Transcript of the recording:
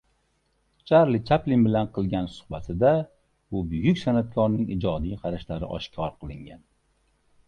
Charli Chaplin bilan qilgan suhbatida bu buyuk san’atkorning ijodiy qarashlari oshkor qilingan.